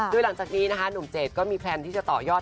โดยหลังจากนี้นะคะหนุ่มเจดก็มีแพลนที่จะต่อยอด